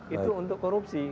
itu untuk korupsi